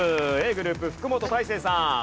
ｇｒｏｕｐ福本大晴さん。